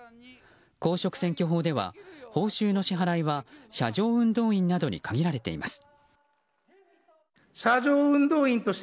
公職選挙法では報酬の支払いは車上運動員などに限られています。